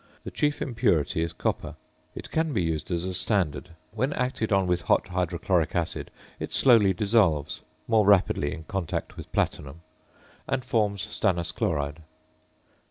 The chief impurity is copper. It can be used as a standard. When acted on with hot hydrochloric acid it slowly dissolves (more rapidly in contact with platinum) and forms stannous chloride.